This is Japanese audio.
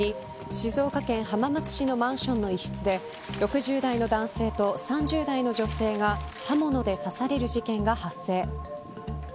静岡県浜松市のマンションの一室で６０代の男性と３０代の女性が刃物で刺される事件が発生。